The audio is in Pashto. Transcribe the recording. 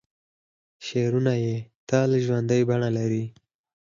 شعرونه یې تل ژوندۍ بڼه لري.